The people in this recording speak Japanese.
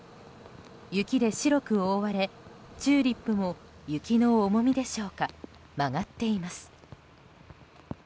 雪で白く覆われ、チューリップも雪の重みでしょうか曲がっています。